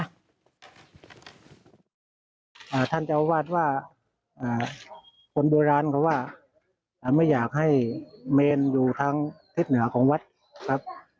ท่านเจ้าอาวาสว่าคนโบราณเขาว่าไม่อยากให้เมนอยู่ทางทิศเหนือของวัดครับ